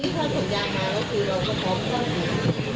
ตอนนี้ถ้าสัญญาณมาก็คือเราก็พร้อมกับเพื่อไทย